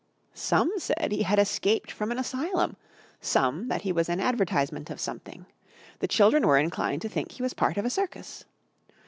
Some said he had escaped from an asylum, some that he was an advertisement of something. The children were inclined to think he was part of a circus.